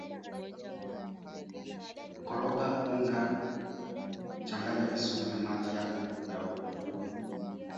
Nournews inayoonekana kuwa karibu na baraza kuu la usalama la taifa la nchi hiyo